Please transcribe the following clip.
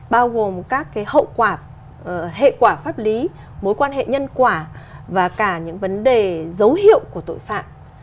bao gồm các hậu quả hệ quả pháp lý mối quan hệ nhân quả và cả những vấn đề dấu hiệu của tội phạm